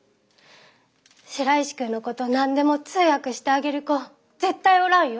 白石君のこと何でも通訳してあげる子絶対おらんよ。